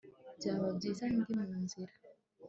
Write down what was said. Byaba byiza ndi mu nzira